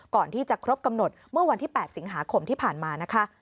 ก่อนที่จะครบกำหนดเมื่อวันที่๘สิงหาคมที่ผ่านมานะคะ